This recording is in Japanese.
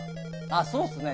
あっそうですね。